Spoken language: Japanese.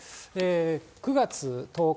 ９月１０日